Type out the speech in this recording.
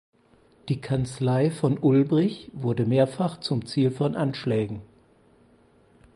Die Kanzlei von Ulbrich wurde mehrfach zum Ziel von Anschlägen.